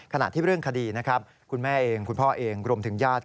ขณะที่เรื่องคดีนะครับคุณแม่เองคุณพ่อเองรวมถึงญาติ